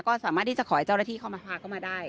ก็สามารถที่จะขอให้เจ้าหน้าที่เข้ามาพาเข้ามาได้